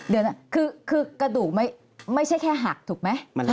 เดี๋ยวนะคือกระดูกไม่ใช่แค่หักถูกไหม